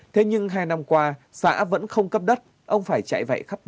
thế nhưng hai năm qua xã vẫn không cấp đất ông phải chạy vệ khắp đất